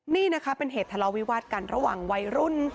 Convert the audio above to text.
นี่นะคะเป็นเหตุทะเลาวิวาสกันระหว่างวัยรุ่น